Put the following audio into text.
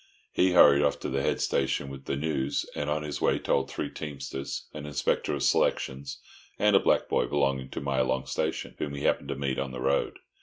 He hurried off to the head station with the news, and on his way told three teamsters, an inspector of selections, and a black boy belonging to Mylong station, whom he happened to meet on the road.